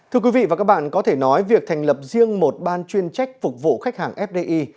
thưa quý vị và các bạn có thể nói việc thành lập riêng một ban chuyên trách phục vụ khách hàng fdi